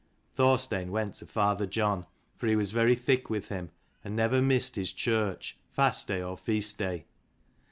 Thorstein went to father John, for he was very thick with him, and never missed his church, fast day or feast day.